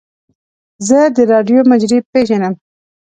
زه د راډیو مجری پیژنم.